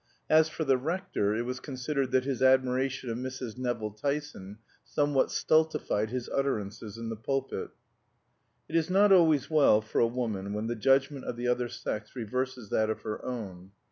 As for the rector, it was considered that his admiration of Mrs. Nevill Tyson somewhat stultified his utterances in the pulpit. It is not always well for a woman when the judgment of the other sex reverses that of her own.